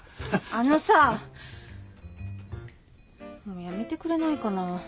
もうやめてくれないかな。